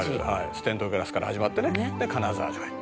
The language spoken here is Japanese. ステンドグラスから始まってねで金沢城へ。